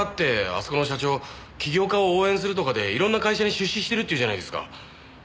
起業家を応援するとかでいろんな会社に出資してるっていうじゃないですか。